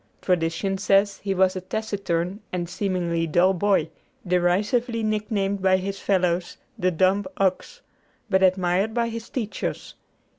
Tradition says he was a taciturn and seemingly dull boy, derisively nicknamed by his fellows "the dumb ox," but admired by his teachers.